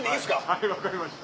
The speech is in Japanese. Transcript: はい分かりました。